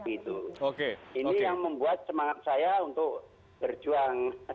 ini yang membuat semangat saya untuk berjuang